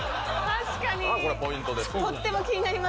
確かにとっても気になりますね。